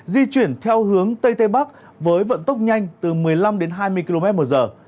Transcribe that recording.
di chuyển theo hướng tây tây bắc với vận tốc nhanh từ một mươi năm đến hai mươi km một giờ